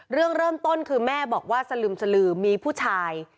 เรื่องเริ่มต้นคือแม่บอกว่าสลึมสลือมีผู้ชาย